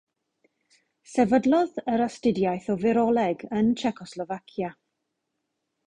Sefydlodd yr astudiaeth o firoleg yn Tsiecoslofacia.